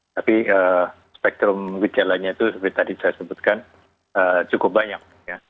tapi spektrum gejalanya itu seperti tadi saya sebutkan cukup banyak